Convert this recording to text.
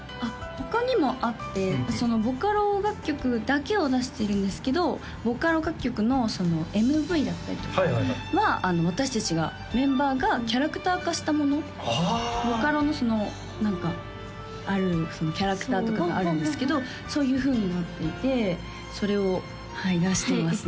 他にもあってボカロ楽曲だけを出してるんですけどボカロ楽曲のＭＶだったりとかは私達がメンバーがキャラクター化したものボカロの何かキャラクターとかがあるんですけどそういうふうになっていてそれを出していますね